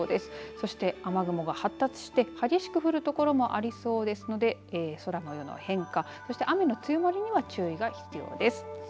そして雨雲が発達して激しく降るところもありそうですので空の模様の変化そして雨の強まりには注意が必要です。